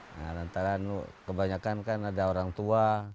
nah antara kebanyakan kan ada orang tua